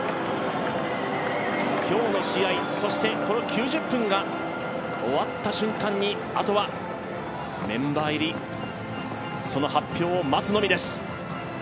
今日の試合、そして９０分が終わった瞬間にあとはメンバー入りその発表を待つのみです。